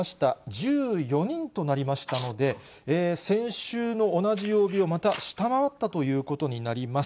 １４人となりましたので、先週の同じ曜日をまた下回ったということになります。